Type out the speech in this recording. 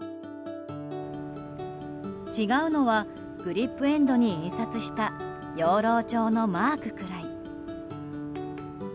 違うのはグリップエンドに印刷した養老町のマークくらい。